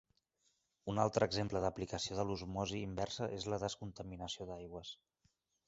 Un altre exemple d'aplicació de l'osmosi inversa és la descontaminació d'aigües.